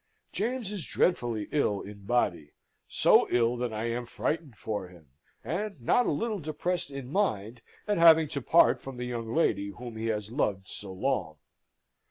James is dreadfully ill in body so ill that I am frightened for him and not a little depressed in mind at having to part from the young lady whom he has loved so long.